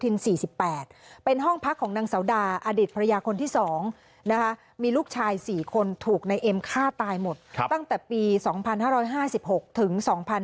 ห้องพักของนางเสาดาอดีตภรรยาคนที่๒นะคะมีลูกชาย๔คนถูกในเอ็มฆ่าตายหมดตั้งแต่ปี๒๕๕๖ถึง๒๕๕๙